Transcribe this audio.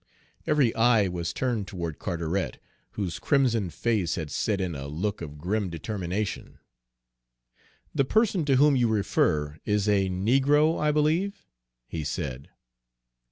Every eye was turned toward Carteret, whose crimsoned face had set in a look of grim determination. "The person to whom you refer is a negro, I believe?" he said.